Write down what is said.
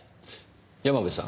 山部さん